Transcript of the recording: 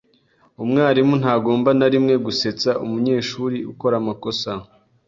Umwarimu ntagomba na rimwe gusetsa umunyeshuri ukora amakosa.